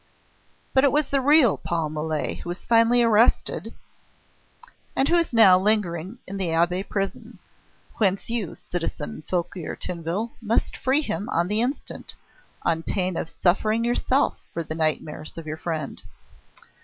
But it was the real Paul Mole who was finally arrested and who is now lingering in the Abbaye prison, whence you, citizen Fouquier Tinville, must free him on the instant, on pain of suffering yourself for the nightmares of your friend."